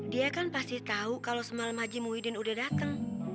dia kan pasti tahu kalau semalam maji muhyiddin udah datang